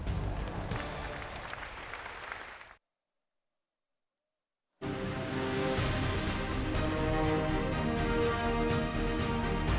hanya satu keyakinanku